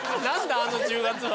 あの「１０月」は。